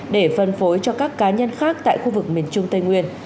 để phân phối cho các cá nhân khác tại khu vực miền trung tây nguyên